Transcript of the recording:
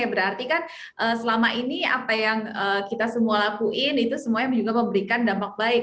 berarti kan selama ini apa yang kita semua lakuin itu semuanya juga memberikan dampak baik